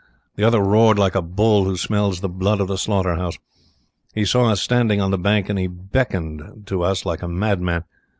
The other roared like a bull who smells the blood of the slaughter house. He saw us standing on the bank, and he beckoned to us like a madman.